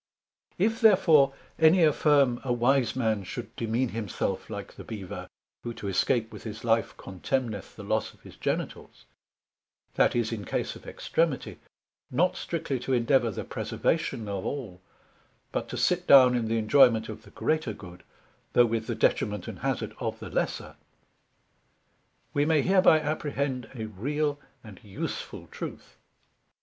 If therefore any affirm a wise man should demean himself like the Bever, who to escape with his life, contemneth the loss of his genitals, that is in case of extremity, not strictly to endeavour the preservation of all, but to sit down in the enjoyment of the greater good, though with the detriment and hazard of the lesser: we may hereby apprehend a real and useful Truth.